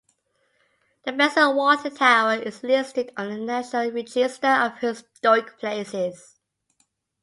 The Benson Water Tower is listed on the National Register of Historic Places.